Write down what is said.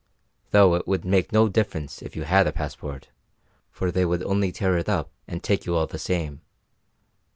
Though it would make no difference if you had a passport, for they would only tear it up and take you all the same.